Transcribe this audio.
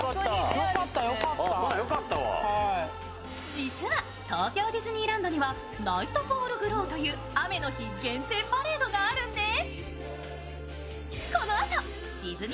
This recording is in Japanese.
実は東京ディズニーランドにはナイトフォール・グロウという雨の日限定パレードがあるんです。